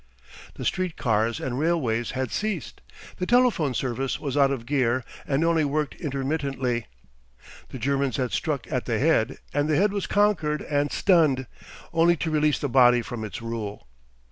The street cars and railways had ceased; the telephone service was out of gear and only worked intermittently. The Germans had struck at the head, and the head was conquered and stunned only to release the body from its rule.